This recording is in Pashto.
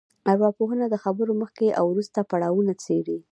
ارواپوهنه د خبرو مخکې او وروسته پړاوونه څېړي